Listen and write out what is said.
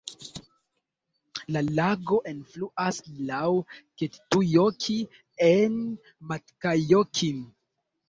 La lago elfluas laŭ Kettujoki en Matkajokin.